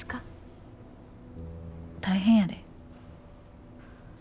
大変やで。